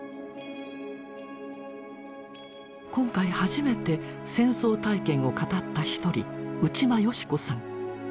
今回初めて戦争体験を語った一人内間好子さん。